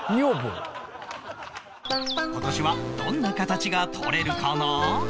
今年はどんな形がとれるかな？